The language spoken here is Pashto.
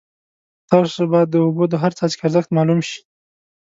تاسو ته به د اوبو د هر څاڅکي ارزښت معلوم شي.